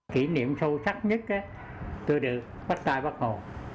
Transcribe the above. kỷ niệm sâu sắc nhất tôi được bắt tay bác hồ